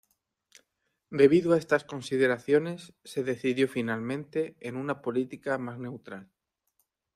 Debido a estas consideraciones se decidió finalmente en una política más neutral.